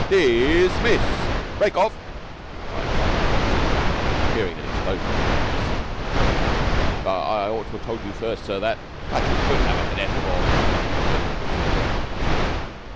"Dismiss! Break off!" cried Foxy, fearing an explosion in the ranks. "I I ought to have told you, sir, that " "But you should have a cadet corps." The General pursued his own line of thought.